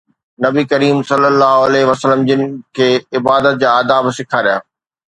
نبي ڪريم ﷺ جن کي عبادت جا آداب سيکاريا.